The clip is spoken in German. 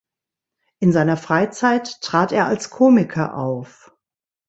In seiner Freizeit trat er als Komiker auf.